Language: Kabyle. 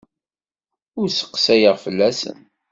Ur sseqsayeɣ fell-asen.